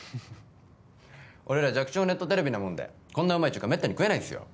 俺ら弱小ネットテレビなもんでこんなうまい中華めったに食えないんすよ